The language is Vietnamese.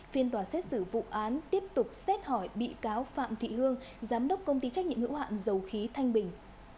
phiên tòa xét xử vụ án tiếp tục xét hỏi bị cáo phạm thị hương giám đốc công ty trách nhiệm hữu hạn dầu khí thanh bình